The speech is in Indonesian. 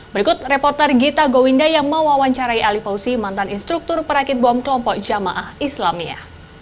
berikut reporter gita gowinda yang mewawancarai ali fauzi mantan instruktur perakit bom kelompok jamaah islamia